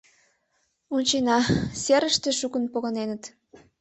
Ончена, серыште шукын погыненыт.